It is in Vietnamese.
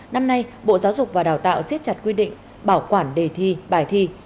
năm nay bộ giáo dục và đào tạo siết chặt quy định bảo quản đề thi bài thi